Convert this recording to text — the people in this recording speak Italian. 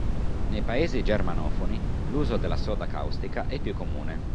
Nei paesi germanofoni l'uso della soda caustica è più comune.